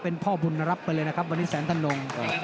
เป็นพ่อบุญรับไปเลยนะครับวันนี้แสนทนง